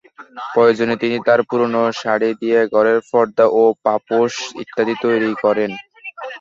প্রয়োজনে তিনি তাঁর পুরোনো শাড়ি দিয়ে ঘরের পর্দা, পাপোশ ইত্যাদি তৈরি করেন।